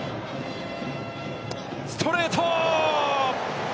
ストレート！